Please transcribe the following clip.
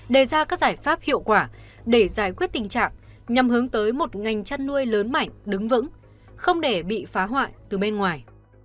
đề ra các giải pháp hiệu quả để giải quyết tình trạng nhằm hướng tới một ngành chăn nuôi lớn mảnh đứng vững không để bị phá hoại từ bên ngoài